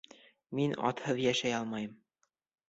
Мин атһыҙ йәшәй алмайым.